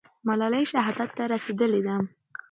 ملالۍ شهادت ته رسېدلې ده.